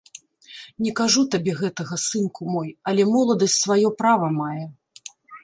Не кажу табе гэтага, сынку мой, але моладасць сваё права мае.